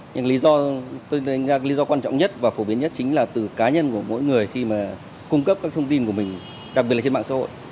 nhưng lý do quan trọng nhất và phổ biến nhất chính là từ cá nhân của mỗi người khi mà cung cấp các thông tin của mình đặc biệt là trên mạng xã hội